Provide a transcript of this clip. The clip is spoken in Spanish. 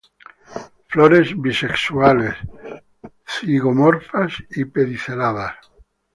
Flores bisexuales, zigomorfas, pediceladas.